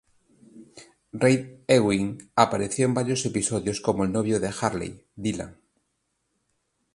Reid Ewing apareció en varios episodios como el novio de Haley, Dylan.